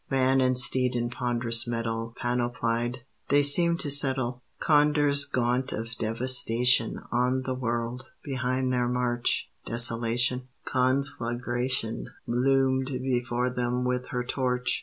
Man and steed in ponderous metal Panoplied, they seemed to settle, Condors gaunt of devastation, On the world: behind their march Desolation; conflagration Loomed before them with her torch.